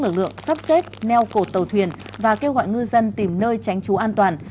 lực lượng sắp xếp neo cột tàu thuyền và kêu gọi ngư dân tìm nơi tránh trú an toàn